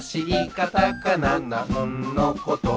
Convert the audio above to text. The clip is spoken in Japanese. カタカナなんのこと？」